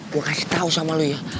gue kasih tau sama lo ya